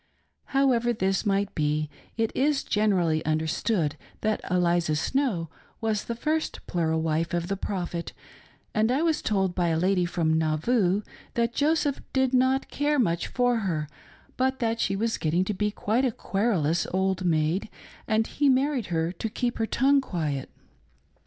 However this might be, it is generally understood that Eliza Snow was the first plural wife of the Prophet, and I was told by a lady from Nauvoo that Joseph did not care much for her, but that she was getting to be quite a querulous old maid, and he married her to keep her tongue quiet.